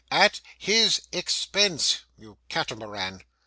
'At his expense you catamaran!